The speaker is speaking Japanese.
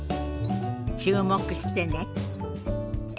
注目してね。